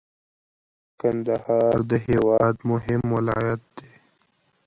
کندهار د هیواد مهم ولایت دی.